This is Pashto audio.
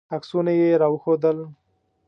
عکسونه یې راوښودل.